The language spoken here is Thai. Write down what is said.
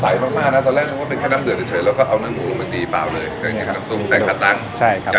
ใช่เส้นบะบีเหมือนกันครับเมื่อก่อนทำเองเดี๋ยวนี้ไม่ทำ